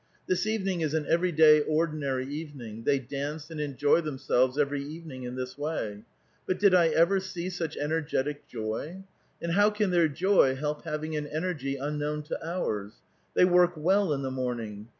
This evening is an every day, ordinary evening; they dance and enjoy themselves every evening in this way. But did I ever see such energetic joy? And how can their joy help having an enei^ unknown to ours? They work well in tlie morning.